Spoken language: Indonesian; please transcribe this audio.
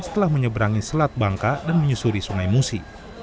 setelah menyeberangi selat bangka dan menyusuri sungai musi